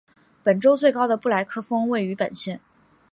本州最高的布莱克峰位于本县。